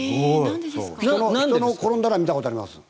人が転んだのは見たことあります